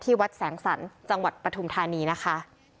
วัดแสงสรรค์จังหวัดปฐุมธานีนะคะ